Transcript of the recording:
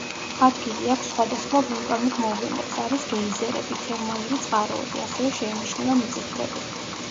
ადგილი აქვს სხვადასხვა ვულკანურ მოვლენებს, არის გეიზერები, თერმალური წყაროები, ასევე შეინიშნება მიწისძვრები.